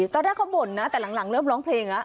ตอนแรกเขาบ่นนะแต่หลังเริ่มร้องเพลงแล้ว